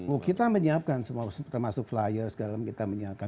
oh kita menyiapkan termasuk flyer segalanya kita menyiapkan